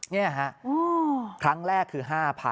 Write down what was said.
นี่ฮะครั้งแรกคือ๕๐๐๐